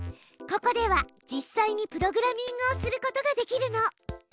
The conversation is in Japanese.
ここでは実際にプログラミングをすることができるの。